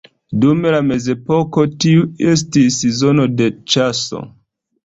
Dum la Mezepoko tiu estis zono de ĉaso.